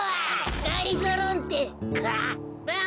ガリゾロンテ。